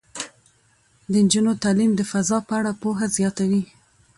د نجونو تعلیم د فضا په اړه پوهه زیاتوي.